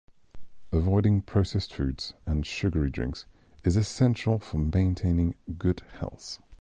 Avoiding processed foods and sugary drinks is essential for maintaining good health.